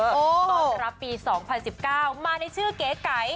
ตอนรับปี๒๐๑๙มาในชื่อเก๋ไก่